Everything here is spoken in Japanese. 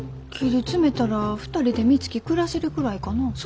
切り詰めたら２人でみつき暮らせるくらいかな。